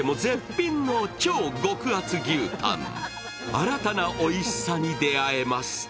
新たなおいしさに出会えます。